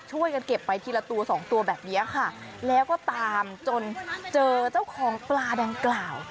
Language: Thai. ช่วยกันเก็บไปทีละตัวสองตัวแบบนี้ค่ะแล้วก็ตามจนเจอเจ้าของปลาดังกล่าว